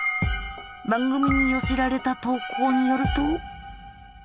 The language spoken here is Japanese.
番組に寄せられた投稿によると。